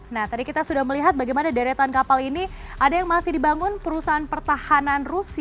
nah tadi kita sudah melihat bagaimana daerah tahun kapal ini ada yang masih di bangun perusahaan pertahanan rusia